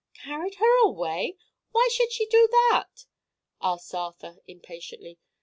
"Carried her away! Why should she do that?" asked Arthur impatiently.